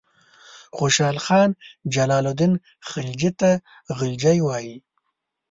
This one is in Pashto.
خوشحال خان جلال الدین خلجي ته غلجي وایي.